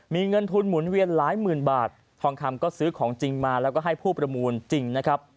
มีเงินทุนหมุนเวียนหลายหมื่นบาททองคำก็ซื้อของจริงมาแล้วก็ให้ผู้ประมูลจริงนะครับ